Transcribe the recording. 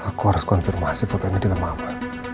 aku harus konfirmasi foto ini dengan mama